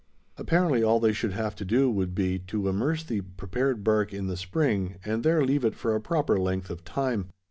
Apparently all they should have to do would be, to immerse the prepared bark in the spring, and there leave it for a proper length of time.